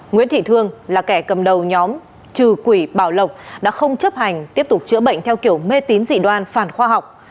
nguyễn thị thương là kẻ cầm đầu nhóm trừ quỷ bảo lộc đã không chấp hành tiếp tục chữa bệnh theo kiểu mê tín dị đoan phản khoa học